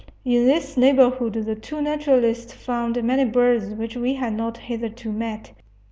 In this neighborhood the two naturalists found many birds which we had not hitherto met.